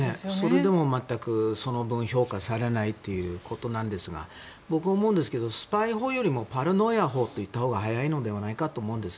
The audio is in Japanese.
それでも全くその分評価されないということですが僕、思うんですけどスパイ法よりもパラノイア法といったほうが早いのではないかと思うんです。